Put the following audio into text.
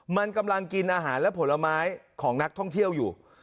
มันกำลังกินอาหารและผลไม้ของนักท่องเที่ยวอยู่